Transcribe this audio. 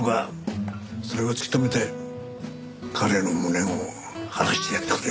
それを突き止めて彼の無念を晴らしてやってくれ。